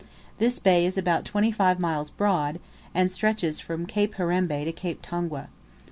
This bay is about twenty five miles broad, and stretches from Cape Herembe to Cape Tongwe.